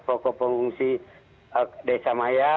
posko pengungsi desa maya